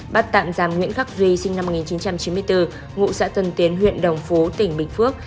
bắt tạm giam nguyễn khắc duy sinh năm một nghìn chín trăm chín mươi bốn ngụ xã tân tiến huyện đồng phú tỉnh bình phước